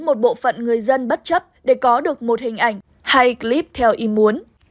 một bộ phận người dân bất chấp để có được một hình ảnh hay clip theo ý muốn